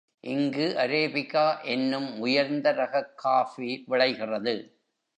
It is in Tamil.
இங்கு அரேபிகா என்னும் உயர்ந்த ரகக் காஃபி விளைகிறது.